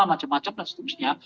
macam macam dan seterusnya